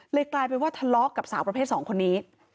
กลายเป็นว่าทะเลาะกับสาวประเภท๒คนนี้